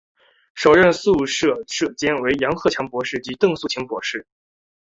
首任宿舍舍监为杨鹤强博士及邓素琴博士。